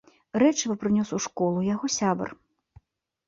Рэчыва прынёс у школу яго сябар.